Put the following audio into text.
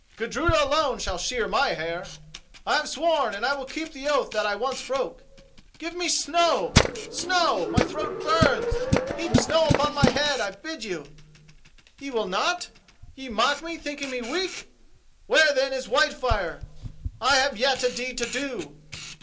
Gudruda alone shall shear my hair: I have sworn and I will keep the oath that I once broke. Give me snow! snow! my throat burns! Heap snow on my head, I bid you. Ye will not? Ye mock me, thinking me weak! Where, then, is Whitefire?—I have yet a deed to do!